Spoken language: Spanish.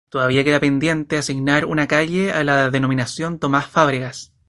Todavía queda pendiente asignar una calle a la denominación "Tomás Fábregas".